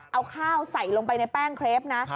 เอาข้าวใส่ลงไปในแป้งเครปนะ